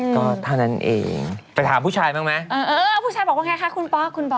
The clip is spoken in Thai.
ก็เท่านั้นเองไปถามผู้ชายบ้างไหมเออผู้ชายบอกว่าไงคะคุณป๊อกคุณป๊อ